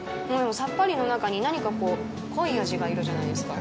さっぱりの中に何かこう濃い味がいるじゃないですか。